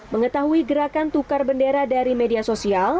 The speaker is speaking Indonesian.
mengetahui gerakan tukar bendera dari media sosial